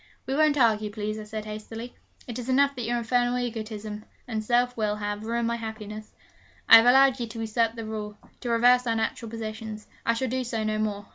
'We won't argue, please,' I said hastily. 'It is enough that your infernal egotism and self will have ruined my happiness. I have allowed you to usurp the rule, to reverse our natural positions. I shall do so no more.